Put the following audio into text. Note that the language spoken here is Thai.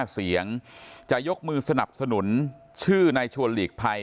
เสียงจะยกมือสนับสนุนชื่อในชวนหลีกภัย